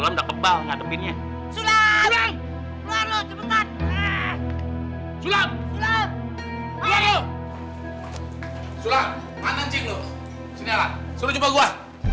sini elan suruh jumpa gua